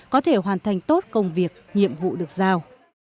có thể hoàn thành tốt công việc nhiệm vụ được giao